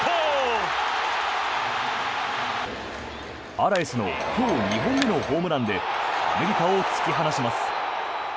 アラエスの今日２本目のホームランでアメリカを突き放します。